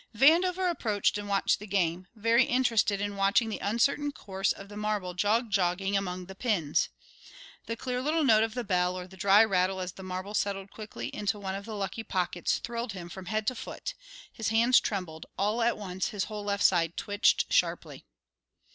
Vandover approached and watched the game, very interested in watching the uncertain course of the marble jog jogging among the pins. The clear little note of the bell or the dry rattle as the marble settled quickly into one of the lucky pockets thrilled him from head to foot; his hands trembled, all at once his whole left side twitched sharply.